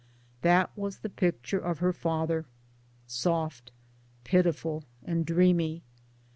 That was the picture of the father soft, pitiful and dreamy.